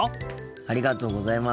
ありがとうございます。